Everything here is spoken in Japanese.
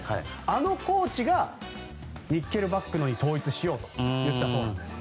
あのコーチがニッケルバックに統一しようと言ったそうなんです。